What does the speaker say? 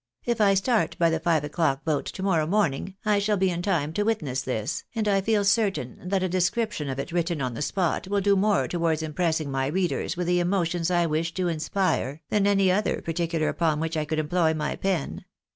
If I start by the five o'clock boat to morrow morning, I shall be in time to witness this, and I feel certain that a description of it written on the spot will do more towards im pressing my readers with the emotions I wish to inspire, than any other particular upon which I could employ my pen.